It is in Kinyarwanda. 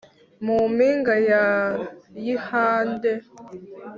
mu mpinga ya yihande